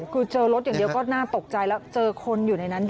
คือเจอรถอย่างเดียวก็น่าตกใจแล้วเจอคนอยู่ในนั้นด้วย